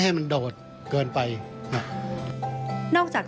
ช่วยให้สามารถสัมผัสถึงความเศร้าต่อการระลึกถึงผู้ที่จากไป